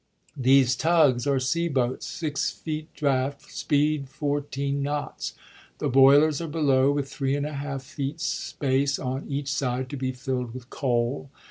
These tugs are sea boats, six feet draught, speed four teen knots. The boilers are below, with three and a half feet space on each side, to be filled with coal.